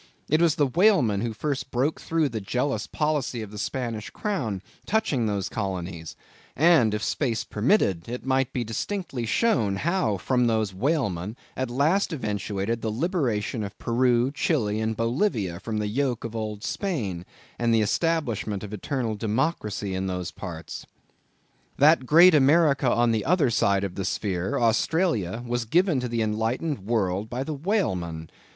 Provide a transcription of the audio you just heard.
It was the whaleman who first broke through the jealous policy of the Spanish crown, touching those colonies; and, if space permitted, it might be distinctly shown how from those whalemen at last eventuated the liberation of Peru, Chili, and Bolivia from the yoke of Old Spain, and the establishment of the eternal democracy in those parts. That great America on the other side of the sphere, Australia, was given to the enlightened world by the whaleman.